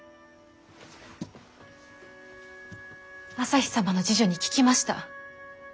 旭様の侍女に聞きました。